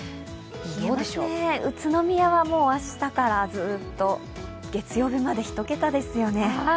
宇都宮はもう明日からずっと月曜日まで１桁ですね。